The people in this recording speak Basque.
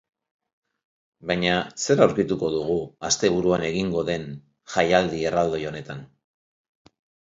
Baina zer aurkituko dugu asteburuan egingo dn jaialdi erraldoi honetan?